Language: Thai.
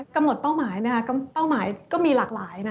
เป้าหมายเป้าหมายก็มีหลากหลาย